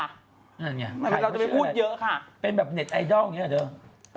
เราจะไปพูดเยอะค่ะเป็นแบบเน็ตไอดอลอย่างเนี่ย